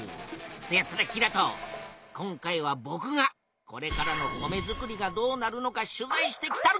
せやったらキラト今回はぼくがこれからの米づくりがどうなるのか取材してきたる！